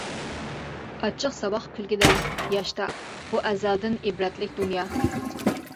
ئاچچىق ساۋاق كۈلكىدە، ياشتا، بۇ ئەزەلدىن ئىبرەتلىك دۇنيا.